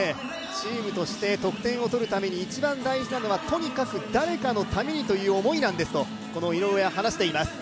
チームとして得点を取るために一番大事なのはとにかく誰かのためにという思いなんですとこの井上は話しています。